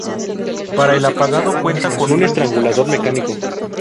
Para el apagado cuenta con un estrangulador mecánico.